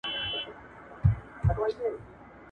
په خپل حکم به سنګسار وي خپل بادار ته شرمېدلی ..